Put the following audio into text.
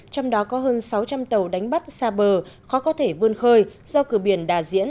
trong đó có hơn sáu trăm linh tàu đánh bắt xa bờ khó có thể vươn khơi do cửa biển đà diễn